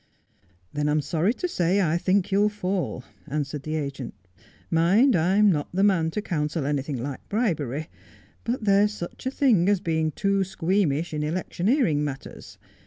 ' Then I'm sorry to say I think you'll fall,' answered the agent. ' Mind, I'm not the man to counsel anything like bribery ; but there's such a thing as being too squeamish in electioneering matters.